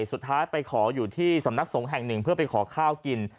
สุดท้ายไปขออยู่ที่สำนักสงฆ์แห่งหนึ่งเพื่อไปขอข้าวกิน